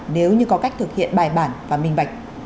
nếu như có cách thực hiện bài bản và minh bạch